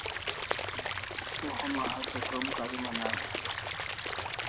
Te homa hatya krom kariman aini